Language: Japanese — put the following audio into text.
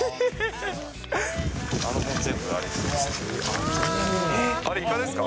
あの辺、全部イカですよ。